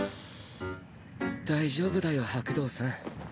大丈夫だよ白道さん。